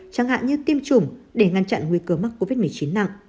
chẳng hạn như tiêm chủng để ngăn chặn nguy cơ mắc covid một mươi chín nặng